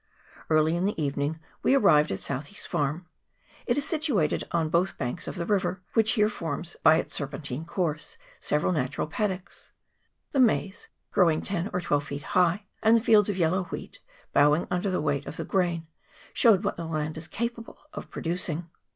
Early in the evening we arrived at Southee's farm ; it is situated on both banks of the river, which here forms by its serpentine course several natural paddocks. The maize, growing ten or twelve feet high, and the fields of yellow wheat, bowing under the weight of the grain, showed what the land is capable of producing.